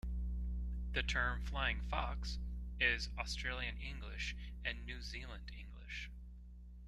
The term "flying fox" is Australian English and New Zealand English.